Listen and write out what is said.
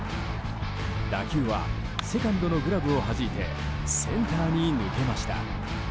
打球はセカンドのグラブをはじいてセンターに抜けました。